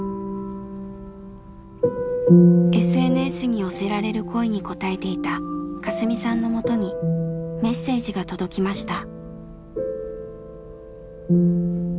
ＳＮＳに寄せられる声に答えていたカスミさんのもとにメッセージが届きました。